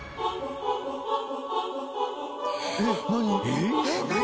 えっ何？